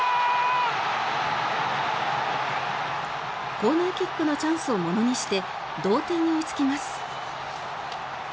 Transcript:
コーナーキックのチャンスをものにして同点に追いつきます。